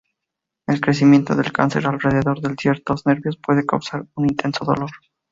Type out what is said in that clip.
El crecimiento del cáncer alrededor de ciertos nervios puede causar un intenso dolor.